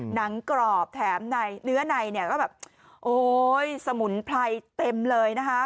หนังกรอบแถมเนื้อในก็แบบสมุนไพรเต็มเลย